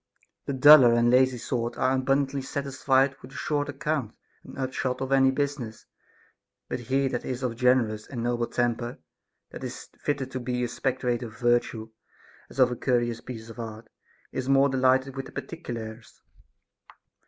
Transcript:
The duller and lazy sort are abundantly satisfied with a short account and upshot of any business. But he that is of a generous and noble temper, that is fitted to be a spectator of virtue, as of a curious piece of art, is more delighted with the particulars.